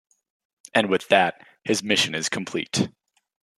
And with that, his mission is complete.